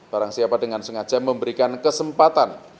barang siapa dengan sengaja memberikan kesempatan